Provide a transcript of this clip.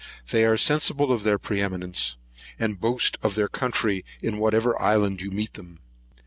They are sensible of their pre eminence, and boast of their country, in whatever island you meet them.